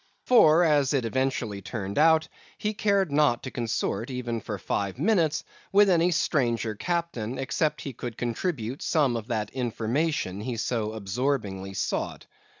For, as it eventually turned out, he cared not to consort, even for five minutes, with any stranger captain, except he could contribute some of that information he so absorbingly sought.